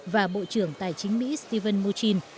và bộ trưởng tài chính mỹ stephen murchin